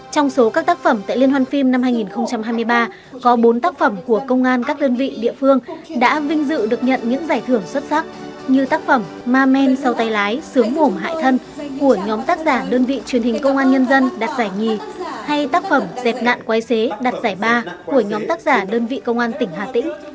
trong số các tác phẩm tại liên hoàn phim năm hai nghìn hai mươi ba có bốn tác phẩm của công an các đơn vị địa phương đã vinh dự được nhận những giải thưởng xuất sắc như tác phẩm ma men sau tay lái sướng mổm hại thân của nhóm tác giả đơn vị truyền hình công an nhân dân đặt giải hai hay tác phẩm dẹp nạn quay xế đặt giải ba của nhóm tác giả đơn vị công an tỉnh hà tĩnh